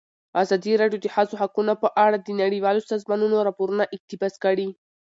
ازادي راډیو د د ښځو حقونه په اړه د نړیوالو سازمانونو راپورونه اقتباس کړي.